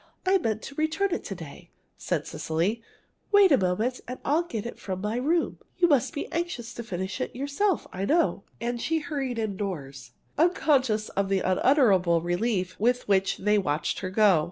I meant to return it to day," said Cecily. "Wait a moment and I'll get it from my room. You must be anxious to finish it yourself, I know." And she hurried indoors, unconscious of the unutterable relief with which they watched her go.